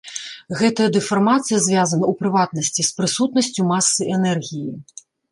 Гэтая дэфармацыя звязана, у прыватнасці, з прысутнасцю масы-энергіі.